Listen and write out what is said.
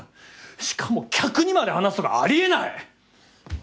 しかも客にまで話すとかありえない！